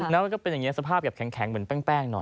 แล้วมันก็เป็นอย่างนี้สภาพแบบแข็งเหมือนแป้งหน่อย